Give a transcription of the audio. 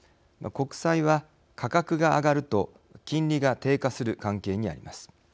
国債は価格が上がると金利が低下する関係にあります。